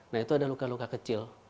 nah itu ada luka luka kecil